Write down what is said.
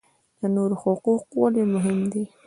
د نورو حقوق ولې مهم دي؟